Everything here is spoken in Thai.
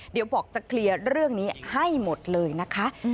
เดี๋ยวบอกจะเคลียร์เรื่องนี้ให้หมดเลยนะคะ